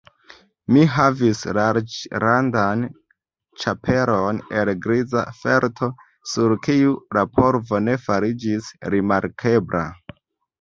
Mi havis larĝrandan ĉapelon el griza felto, sur kiu la polvo ne fariĝis rimarkebla.